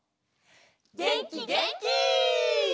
げんきげんき！